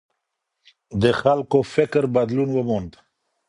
د خلګو فکر بدلون وموند.